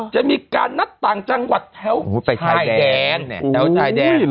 จะมีการนัดต่างจังหวัดเท่าไทยแลนด์